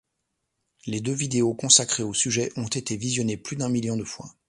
Les deux vidéos consacrées au sujet ont été visionnées plus d'un million de fois.